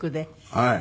はい。